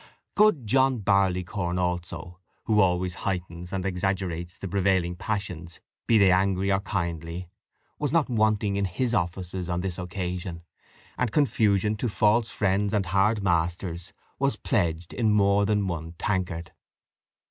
Good John Barleycorn also, who always heightens and exaggerates the prevailing passions, be they angry or kindly, was not wanting in his offices on this occasion; and confusion to false friends and hard masters was pledged in more than one tankard.